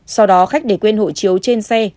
sau đó khách để quên hộ chiếu trên xe